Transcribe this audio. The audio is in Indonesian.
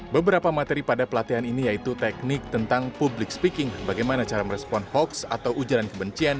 beberapa materi pada pelatihan ini yaitu teknik tentang public speaking bagaimana cara merespon hoax atau ujaran kebencian